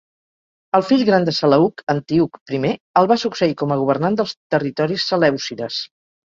El fill gran de Seleuc, Antíoc I, el va succeir com a governant dels territoris selèucides.